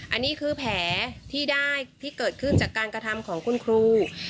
อันนี้คือแผลที่ได้ที่เกิดขึ้นจากการกระทำของคุณครู